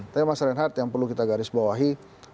tapi mas reinhardt yang perlu kita garisbawahi